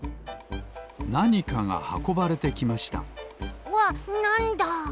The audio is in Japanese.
なにかがはこばれてきましたわっなんだ！？